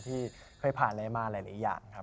ที่เคยผ่านมาหลายอย่าง